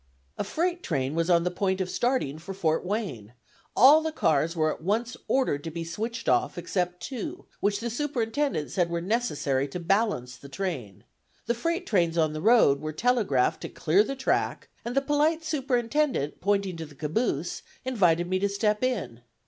A freight train was on the point of starting for Fort Wayne; all the cars were at once ordered to be switched off, except two, which the superintendent said were necessary to balance the train; the freight trains on the road were telegraphed to clear the track, and the polite superintendent pointing to the caboose, invited me to step in.